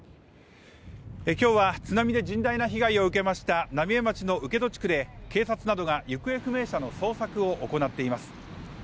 影響は津波で甚大な被害を受けました浪江町の請戸地区で警察などが行方不明者の捜索を行っています